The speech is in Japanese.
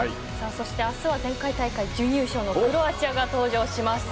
明日は前回大会準優勝のクロアチアが登場します。